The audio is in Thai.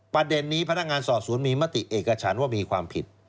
ประเด็นนี้พนักงานสอบสวนมีมติเอกฉันว่ามีความผิด